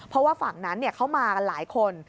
เพราะว่าฝั่งนั้นเขามากันหลายคน